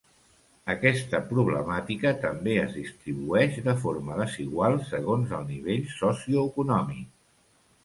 Aquesta problemàtica també es distribueix de forma desigual segons el nivell socioeconòmic.